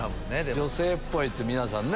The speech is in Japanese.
女性っぽいって皆さんね。